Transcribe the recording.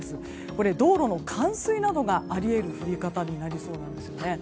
これ、道路の冠水などがあり得る降り方になりそうなんですね。